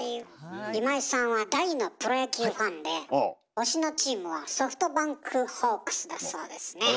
今井さんは大のプロ野球ファンで推しのチームはソフトバンクホークスだそうですね。